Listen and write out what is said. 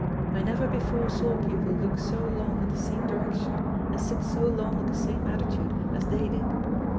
I never before saw people look so long in the same direction, and sit so long in the same attitude, as they did.